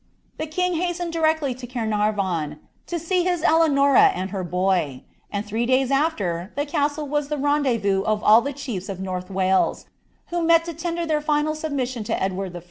The king hastened directly to Caernarvon, to see his Eleanora and bar boy ; and three days af\er, the castle was the rendezvous of all the chiefs of North Wales, who met to tender their final submission to Edward I.